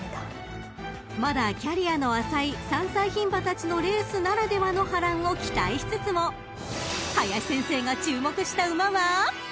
［まだキャリアの浅い３歳牝馬たちのレースならではの波乱を期待しつつも林先生が注目した馬は］